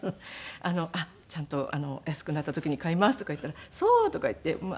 「あっちゃんと安くなった時に買います」とか言ったら「そう」とか言って。